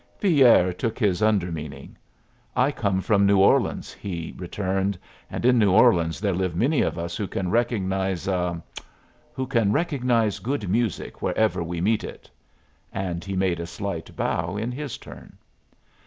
Villere took his under meaning. "I come from New Orleans," he returned. "And in New Orleans there live many of us who can recognize a who can recognize good music wherever we meet it." And he made a slight bow in his turn.